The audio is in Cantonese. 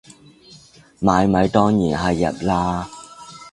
買米當然係入喇